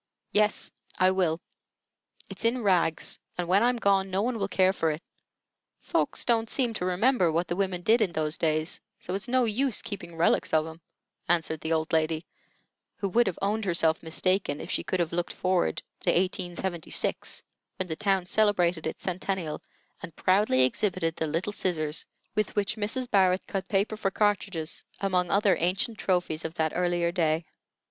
"Yes, I will. It's in rags, and when I'm gone no one will care for it. Folks don't seem to remember what the women did in those days, so it's no use keeping relics of 'em," answered the old lady, who would have owned herself mistaken if she could have looked forward to 1876, when the town celebrated its centennial, and proudly exhibited the little scissors with which Mrs. Barrett cut paper for cartridges, among other ancient trophies of that earlier day.